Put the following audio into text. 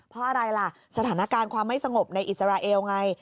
เพราะอะไรล่ะสถานการณ์ความไม่สงบในอิสราเอลไง